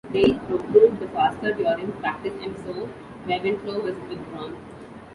Daigh proved the faster during practice and so Reventlow was withdrawn.